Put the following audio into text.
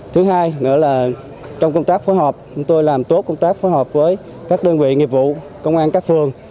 thứ hai nữa là trong công tác phối hợp chúng tôi làm tốt công tác phối hợp với các đơn vị nghiệp vụ công an các phường